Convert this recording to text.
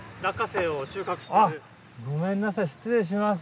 ごめんなさい失礼します。